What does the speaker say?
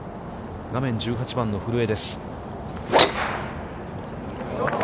画面は１８番の古江です。